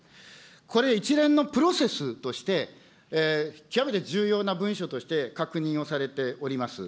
これ、一連のプロセスとして、極めて重要な文書として確認をされております。